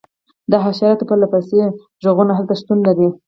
د حشراتو پرله پسې غږونه هلته شتون لري